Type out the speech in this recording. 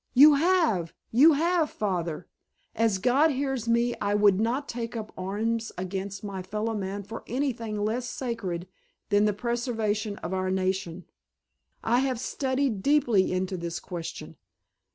"You have, you have, Father! As God hears me I would not take up arms against my fellow man for anything less sacred than the preservation of our nation. I have studied deeply into this question.